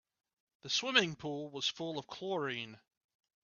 The swimming pool was full of chlorine.